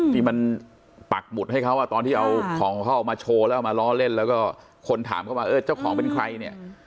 ที่มันปักหมุดให้เขาตอนที่เอาของของเขาออกมาโชว์แล้วเอามาล้อเล่นแล้วก็คนถามเข้ามาเออเจ้าของเป็นใครเนี่ย